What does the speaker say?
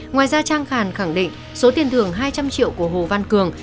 ngoài ra trang khàn khẳng định số tiền thưởng hai trăm linh triệu của hồ văn cường